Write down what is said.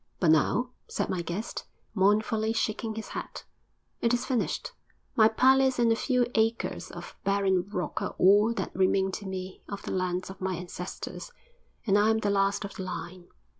'But now,' said my guest, mournfully shaking his head, 'it is finished. My palace and a few acres of barren rock are all that remain to me of the lands of my ancestors, and I am the last of the line.'